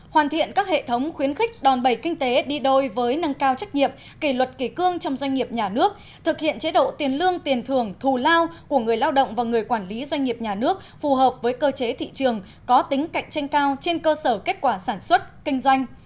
hoàn thiện các hệ thống khuyến khích đòn bẩy kinh tế đi đôi với nâng cao trách nhiệm kỷ luật kỷ cương trong doanh nghiệp nhà nước thực hiện chế độ tiền lương tiền thường thù lao của người lao động và người quản lý doanh nghiệp nhà nước phù hợp với cơ chế thị trường có tính cạnh tranh cao trên cơ sở kết quả sản xuất kinh doanh